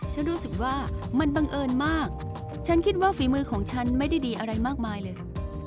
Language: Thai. ฉันรู้สึกว่ามันบังเอิญมากฉันคิดว่าฝีมือของฉันไม่ได้ดีอะไรมากมายเลย